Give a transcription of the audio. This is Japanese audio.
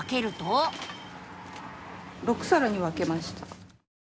・６さらに分けました。